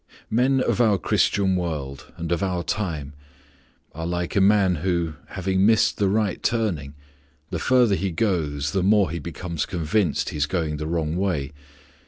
V Men of our Christian world and of our time are like a man who, having missed the right turning, the further he goes the more he becomes convinced that he is going the wrong way.